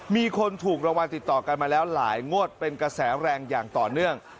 มีคนถูกรางวัลติดต่อกันมาแล้วหลายงวดเป็นกระแสแรงอย่างต่อเนื่อง